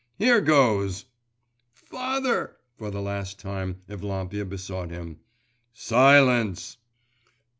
… Here goes!' 'Father!' for the last time Evlampia besought him. 'Silence!